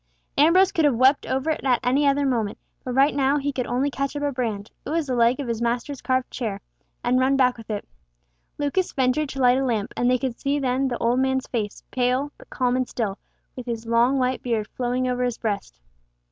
Ambrose could have wept over it at any other moment, but now he could only catch up a brand—it was the leg of his master's carved chair—and run back with it. Lucas ventured to light a lamp, and they could then see the old man's face pale, but calm and still, with his long white beard flowing over his breast.